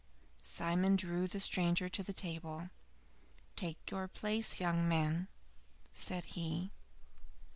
Simon drew the stranger to the table. "Take your place, young man," said he.